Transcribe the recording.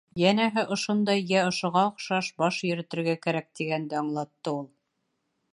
Йәнәһе, ошондай, йә ошоға оҡшаш, баш йөрөтөргә кәрәк, тигәнде аңлатты ул.